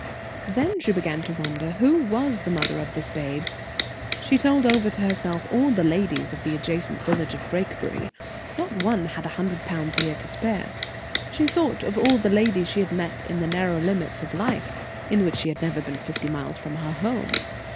Then she began to wonder who was the mother of this babe. She told over to herself all the ladies of the adjacent village of Brakebury; not one had a hundred pounds a year to spare. She thought of all the ladies she had met in the narrow limits of life, in which she had never been fifty miles from her home.